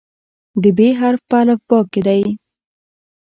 د "ب" حرف په الفبا کې دی.